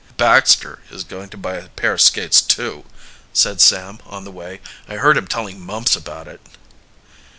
"Baxter is going to buy a pair of skates, too," said Sam, on the way. "I heard him telling Mumps about it."